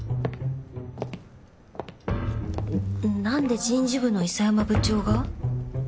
なんで人事部の諌山部長が？